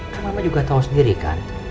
karena mama juga tau sendiri kan